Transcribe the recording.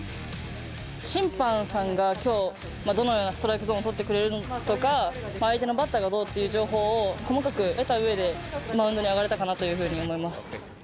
審判さんがきょう、どのようなストライクゾーンを取ってくれるのかとか、相手のバッターがどうっていう情報を、細かく得たうえでマウンドに上がれたかなというふうに思います。